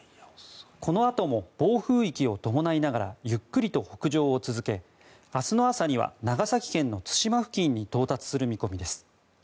このあとも暴風域を伴いながらゆっくりと北上を続け明日の朝には長崎県の対馬付近に到達する見込みです。